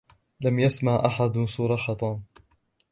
لم يسمع أحد صراخ توم.